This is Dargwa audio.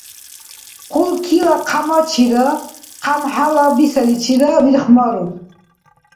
Хъулкила хъямачира хъямхӀяла бисаличира вирхмаруд.